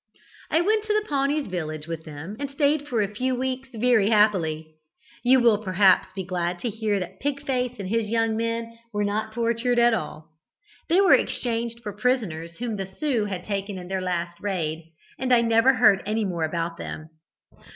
"I went to the Pawnee's village with them and stayed for a few weeks very happily. You will perhaps be glad to hear that Pig face and his young men were not tortured after all. They were exchanged for prisoners whom the Sioux had taken in their last raid, and I never heard any more about them.